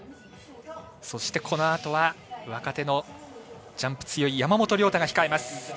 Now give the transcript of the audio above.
そして、このあとは若手のジャンプ強い山本涼太が控えます。